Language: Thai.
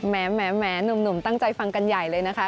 แหมหนุ่มตั้งใจฟังกันใหญ่เลยนะคะ